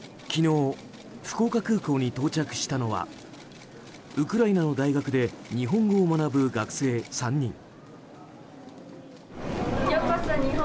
昨日、福岡空港に到着したのはウクライナの大学で日本語を学ぶ学生３人。